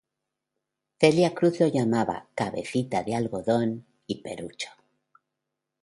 Celia Cruz lo llamaba ""Cabecita de Algodón"", y ""Perucho"".